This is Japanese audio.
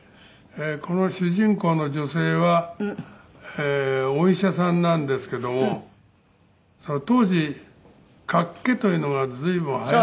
この主人公の女性はお医者さんなんですけども当時脚気というのが随分流行っていて。